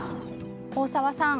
大沢さん